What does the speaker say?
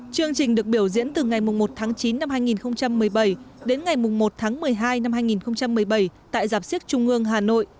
chương trình được biểu diễn từ ngày một tháng chín năm hai nghìn một mươi bảy đến ngày một tháng một mươi hai năm hai nghìn một mươi bảy tại giáp xích trung ương hà nội